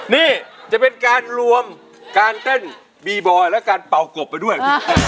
นี่จะเป็นการรวมการเต้นบีบอยและการเป่ากบไปด้วย